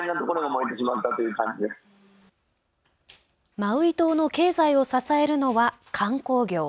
マウイ島の経済を支えるのは観光業。